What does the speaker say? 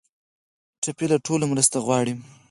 ټپي له ټولو نه مرسته غواړي.